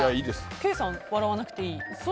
ケイさんは笑わなくていい。